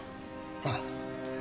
ああ。